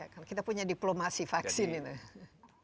kalau kita punya diplomasi vaksin itu